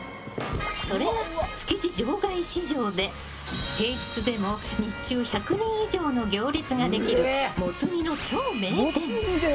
それが築地場外市場で平日でも日中１００人以上の行列ができるモツ煮の超名店。